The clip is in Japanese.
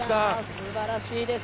すばらしいです。